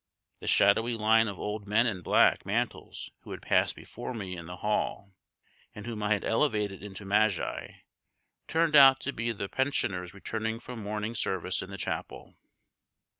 The shadowy line of old men in black mantles who had passed before me in the hall, and whom I had elevated into magi, turned out to be the pensioners returning from morning, service in the chapel.